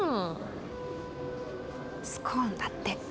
スコーンだって。